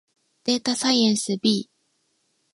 データサイエンス B